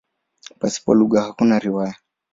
Pasipo lugha hakuna riwaya.